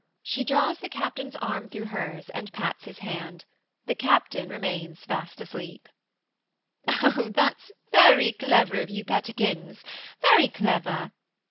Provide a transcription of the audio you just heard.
She draws the captain's arm through hers, and pats his hand. The captain remains fast asleep. MRS HUSHABYE. Oh, that's very clever of you, pettikins. Very clever.